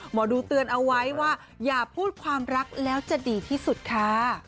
หมอดูเตือนเอาไว้ว่าอย่าพูดความรักแล้วจะดีที่สุดค่ะ